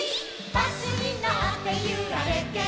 「バスにのってゆられてる」